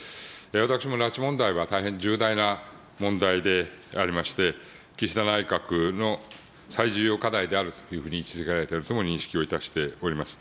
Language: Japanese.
私も拉致問題は大変重大な問題でありまして、岸田内閣の最重要課題であるというふうに位置づけられているとも認識をいたしております。